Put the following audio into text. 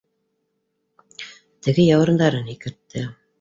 Теге яурындарын һикертте